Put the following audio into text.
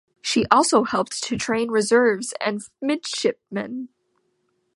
She also helped to train reserves and midshipmen.